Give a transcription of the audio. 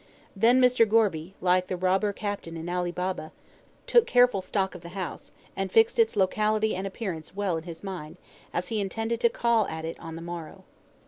Then Mr. Gorby, like the Robber Captain in Ali Baba, took careful stock of the house, and fixed its locality and appearance well in his mind, as he intended to call at it on the morrow.